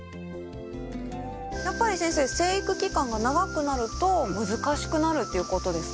やっぱり先生生育期間が長くなると難しくなるっていうことですか？